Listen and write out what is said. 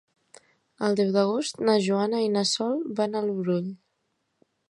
El deu d'agost na Joana i na Sol van al Brull.